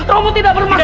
roma tidak bermaksud